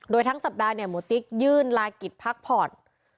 โดยทั้งสัปดาห์เนี่ยหมูติ๊กยื่นลากิจพักผ่อน